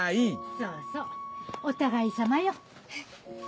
そうそうお互いさまよ。